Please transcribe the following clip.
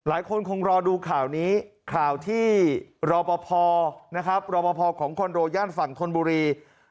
หลายคนคงรอดูข่าวนี้ข่าวที่รอปภนะครับรอปภของคอนโดย่านฝั่งธนบุรี